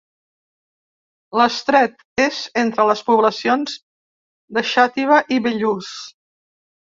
L'estret és entre les poblacions de Xàtiva i Bellús.